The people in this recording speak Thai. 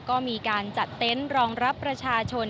ก็มีการจัดเต็นต์รองรับประชาชน